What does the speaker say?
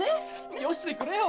よしてくれよ！